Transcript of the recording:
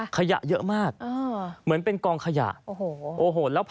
ขยะเยอะมากเหมือนเป็นกองขยะ